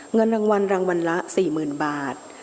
เงินรางวัลรางวัลละ๔๐๐๐บาท